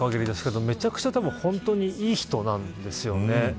めちゃくちゃいい人なんですよね。